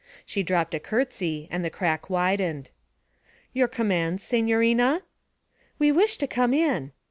She dropped a curtsy, and the crack widened. 'Your commands, signorina?' 'We, wish to come in.'